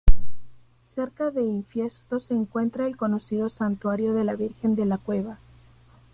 Cerca de Infiesto se encuentra el conocido Santuario de la Virgen de la Cueva.